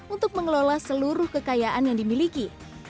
untuk mengelola seluruh kekayaan yang dimiliki